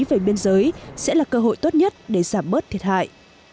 về biên giới sẽ là cơ hội tốt nhất để giảm bớt thiệt hại